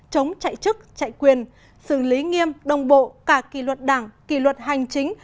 chống chạy chức chạy quyền xử lý nghiêm đồng bộ cả kỳ luật đảng kỳ luật hành chính